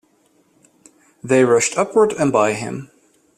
They rushed upward and by him.